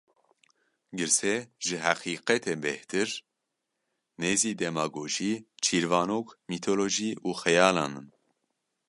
Girse ji heqîqetê bêhtir, nêzî demagojî, çîrvanok, mîtolojî û xeyalan in.